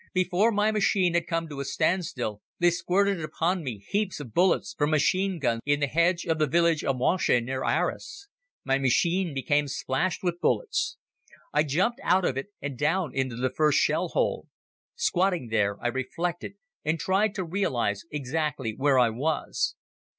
Before my machine had come to a standstill they squirted upon me heaps of bullets from machine guns in the hedge of the village of Monchy near Arras. My machine became splashed with bullets. "I jumped out of it and down into the first shell hole. Squatting there I reflected and tried to realize exactly where I was.